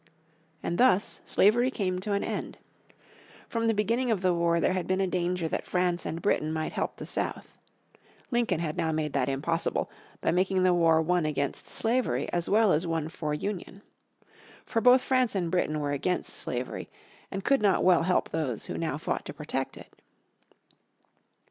And thus slavery came to an end. From the beginning of the war there had been a danger that France and Britain might help the South. Lincoln had now made that impossible by making the war one against slavery as well as one for Union. For both France and Britain were against slavery, and could not well help those who now fought to protect it.